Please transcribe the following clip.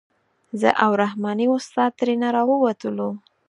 زه او رحماني استاد ترېنه راووتلو.